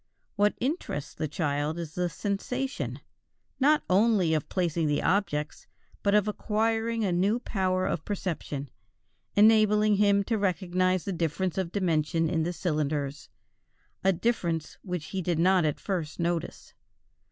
What interests the child is the sensation, not only of placing the objects but of acquiring a new power of perception, enabling him to recognize the difference of dimension in the cylinders, a difference which he did not at first notice.